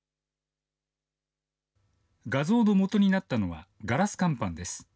画像のもとになったのは、ガラス乾板です。